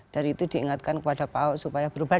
dari itu diingatkan kepada pak ahok supaya berubah